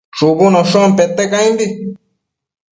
shubunoshon pete caimbi